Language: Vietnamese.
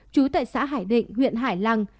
trú tại xã hải định huyện hải lăng